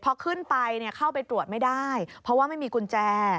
พอขึ้นไปเข้าไปตรวจไม่ได้เพราะว่าไม่มีกุญแจ